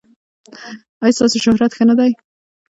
ایا ستاسو شهرت ښه نه دی؟